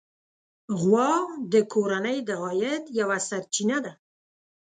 غوا د کورنۍ د عاید یوه سرچینه ده.